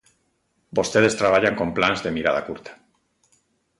Vostedes traballan con plans de mirada curta.